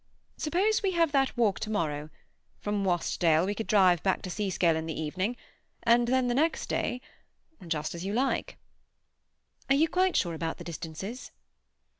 Suppose we have that walk to morrow? From Wastdale we could drive back to Seascale in the evening, and then the next day—just as you like." "Are you quite sure about the distances?"